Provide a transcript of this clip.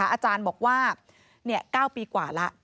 อาจารย์บอกว่า๙ปีกว่าแล้ว